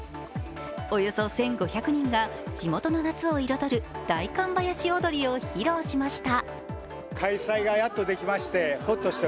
およそ１５００人が地元の夏を彩る代官ばやし踊りを披露しました。